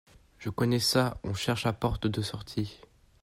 Je connais ça… on cherche la porte de sortie…